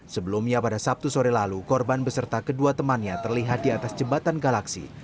sebelumnya pada sabtu sore lalu korban beserta kedua temannya terlihat di atas jembatan galaksi